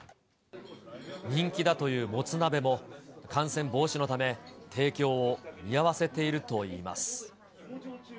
人気だというもつ鍋も、感染防止のため、提供を見合わせているといいます。